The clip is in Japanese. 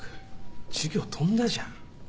授業飛んだじゃん。